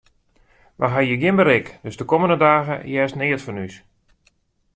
Wy hawwe hjir gjin berik, dus de kommende dagen hearst neat fan ús.